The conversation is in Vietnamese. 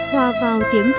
sơn đặc biệt